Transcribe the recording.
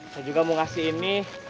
saya juga mau ngasih ini